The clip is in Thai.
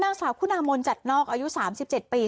นางสาวคุณามนจัดนอกอายุ๓๗ปี